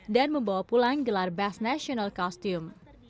dan membawa pulang gelar best national costume